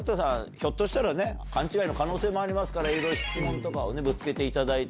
ひょっとしたら勘違いの可能性もありますから質問とかをぶつけていただいて。